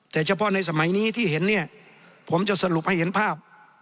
แต่เฉพาะในสมัยนี้ที่เห็นเนี่ยผมจะสรุปให้เห็นภาพ